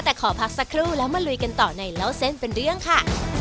แต่ขอพักสักครู่แล้วมาลุยกันต่อในเล่าเส้นเป็นเรื่องค่ะ